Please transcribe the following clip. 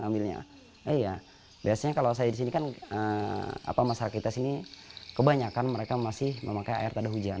iya biasanya kalau saya di sini kan masyarakat kita sini kebanyakan mereka masih memakai air tak ada hujan